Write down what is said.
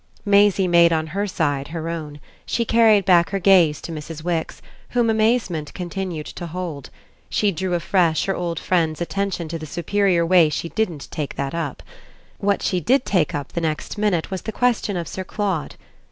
Maisie made on her side her own: she carried back her gaze to Mrs. Wix, whom amazement continued to hold; she drew afresh her old friend's attention to the superior way she didn't take that up. What she did take up the next minute was the question of Sir Claude.